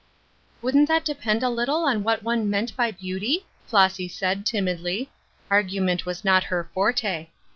'^ Wouldn't that depend a little on what one meant by beauty ?" Flossy said, timidly. Ar gument was not her forte.